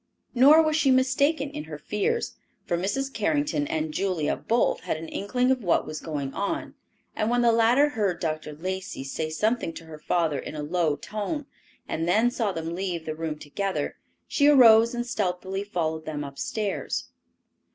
Nor was she mistaken in her fears; for Mrs. Carrington and Julia both had an inkling of what was going on, and when the latter heard Dr. Lacey say something to her father in a low tone, and then saw them leave the room together, she arose and stealthily followed them upstairs.